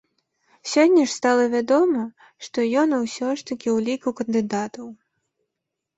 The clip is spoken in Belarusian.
Сёння ж стала вядома, што ён усё ж такі ў ліку кандыдатаў.